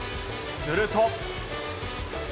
すると。